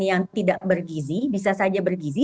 yang tidak bergizi bisa saja bergizi